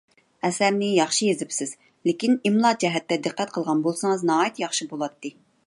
ئەسەرنى ياخشى يېزىپسىز، لېكىن ئىملا جەھەتتە دىققەت قىلغان بولسىڭىز ناھايىتى ياخشى بولاتتى.